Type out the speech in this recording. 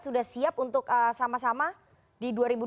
sudah siap untuk sama sama di dua ribu dua puluh